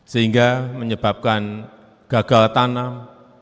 sehingga menyebabkan gagal tanam